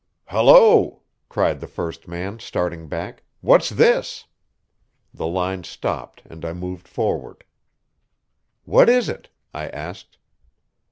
"Hello!" cried the first man, starting back. "What's this?" The line stopped, and I moved forward. "What is it?" I asked.